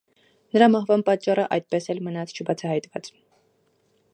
Նրա մահվան պատճառը այդպես էլ մնաց չբացահայտված։